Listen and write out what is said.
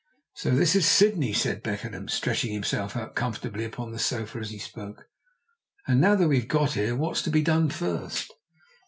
"So this is Sydney," said Beckenham, stretching himself out comfortably upon the sofa as he spoke. "And now that we've got here, what's to be done first?"